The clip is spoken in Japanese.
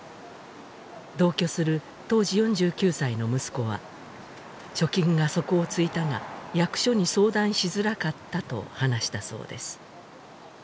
同居する当時４９歳の息子は「貯金が底をついたが」「役所に相談しづらかった」と話したそうです